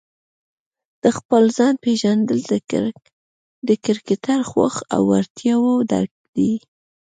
د خپل ځان پېژندل د کرکټر، خوښو او وړتیاوو درک دی.